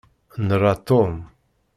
Nra Tom.